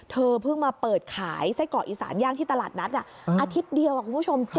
เธอเพิ่งมาเปิดขายไส้กรอกอีสานย่างที่ตลาดนัดอาทิตย์เดียวคุณผู้ชม